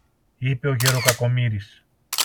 είπε ο γερο Κακομοίρης.